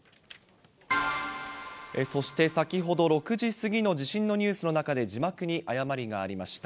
そして、先ほど６時過ぎの地震のニュースの中で、字幕に誤りがありました。